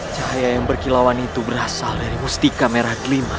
cahaya yang berkilauan itu berasal dari musti kamera lima